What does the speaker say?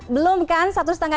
belum kan satu lima jam lagi ya